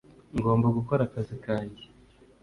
ngomba gukora akazi kanjye